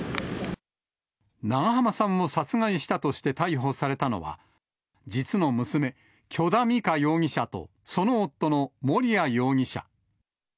長濱さんを殺害したとして逮捕されたのは、実の娘、許田美香容疑者と、その夫の盛哉容疑者。